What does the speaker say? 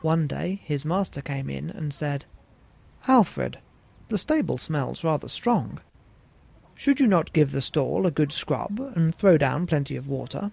One day his master came in and said, "Alfred, the stable smells rather strong; should not you give that stall a good scrub and throw down plenty of water?"